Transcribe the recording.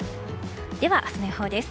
では、明日の予報です。